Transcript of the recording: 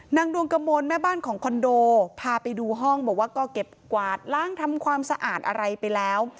ดวงกระมวลแม่บ้านของคอนโดพาไปดูห้องบอกว่าก็เก็บกวาดล้างทำความสะอาดอะไรไปแล้ว